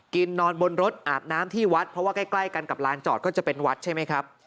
นอนบนรถอาบน้ำที่วัดเพราะว่าใกล้กันกับลานจอดก็จะเป็นวัดใช่ไหมครับ